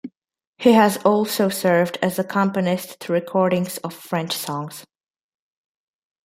He has also served as accompanist to recordings of French songs.